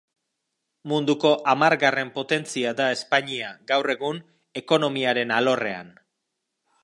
Munduko hamargarren potentzia da Espainia, gaur egun, ekonomiaren alorrean.